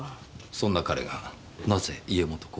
そんな彼がなぜ家元候補に？